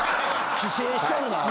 寄生しとるな。